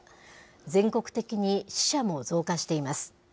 全国的に死者も増加しています。